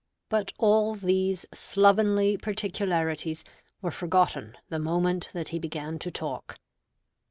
But all these slovenly particularities were forgotten the moment that he began to talk.